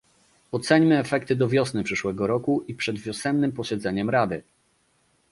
oceńmy efekty do wiosny przyszłego roku i przed wiosennym posiedzeniem Rady